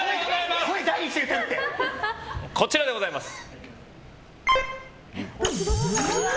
こちらでございます。